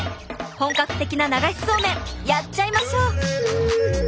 本格的な流しそうめんやっちゃいましょう！